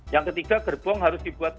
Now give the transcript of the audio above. yang ketiga gerbong harus dibuat